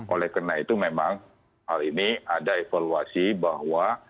oleh karena itu memang hal ini ada evaluasi bahwa